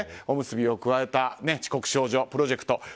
おむすびを加えた遅刻少女プロジェクト。